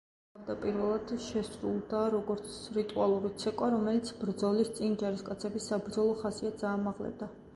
თავდაპირველად შესრულდა როგორც რიტუალური ცეკვა, რომელიც ბრძოლის წინ ჯარისკაცების საბრძოლო ხასიათს აამაღლებდა.